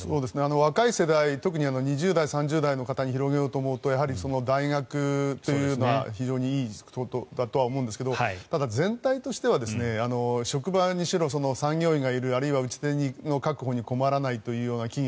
若い世代特に２０代、３０代の方に広げようと思うとやはり大学というのは非常にいいことだとは思いますがただ、全体としては職場にしろ、産業医がいるあるいは打ち手の確保に困らないという企業